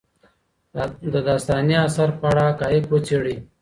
د داستاني اثر په اړه حقایق وڅېړئ.